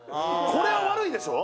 これは悪いでしょ？